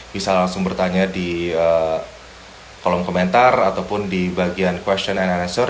bisa langsung bertanya di kolom komentar ataupun di bagian question and ansor